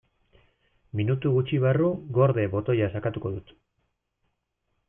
Minutu gutxi barru "gorde" botoia sakatuko dut.